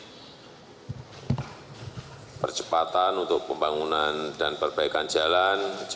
dan juga untuk kecepatan pembangunan dan perbaikan jalan